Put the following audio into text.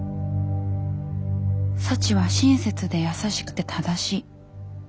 サチは親切で優しくて正しい。